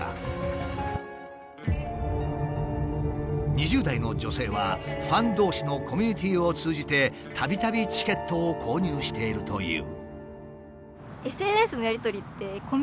２０代の女性はファン同士のコミュニティーを通じてたびたびチケットを購入しているという。